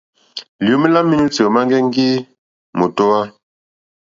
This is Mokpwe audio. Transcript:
Liomè la menuti òma ŋgɛŋgi mòtohwa.